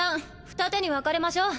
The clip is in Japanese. ふた手に分かれましょ。